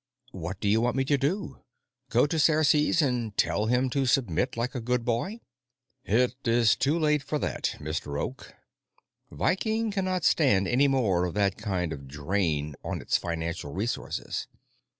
"What do you want me to do? Go to Ceres and tell him to submit like a good boy?" "It is too late for that, Mr. Oak. Viking cannot stand any more of that kind of drain on its financial resources.